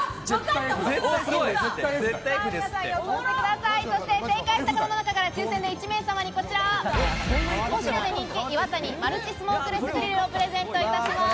すごい！そして正解した方の中から抽選で１名様にこちら、ポシュレで人気「イワタニマルチスモークレスグリル」をプレゼントいたします。